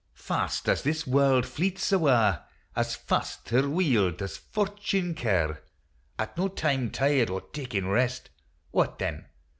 Fast as this warld fleets awa' As fast her wheel does Fortune ca', At no time tired or takin' rest : What then?